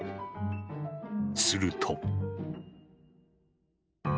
すると。